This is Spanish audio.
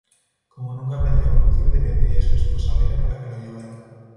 Como nunca aprendió a conducir, dependía de su esposa Vera para que lo llevara.